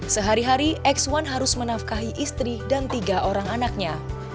sehari hari x satu harus menafkahi istri dan tiga orang anaknya